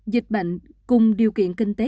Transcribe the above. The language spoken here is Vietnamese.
dịch bệnh cùng điều kiện kinh tế